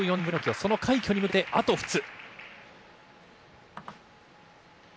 その快挙に向けてあと２つ。